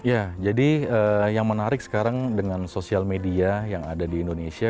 ya jadi yang menarik sekarang dengan sosial media yang ada di indonesia